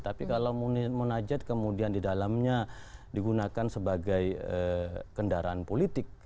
tapi kalau mau najat kemudian didalamnya digunakan sebagai kendaraan politik